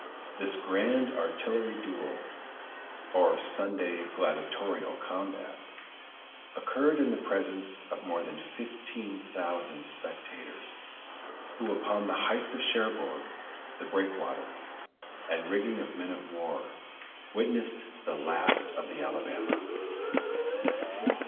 This grand artillery duel, or Sunday gladiatorial combat, occurred in the presence of more than fifteen thousand spectators, who upon the heights of Cherbourg, the breakwater, and rigging of men of war, witnessed "the last of the Alabama."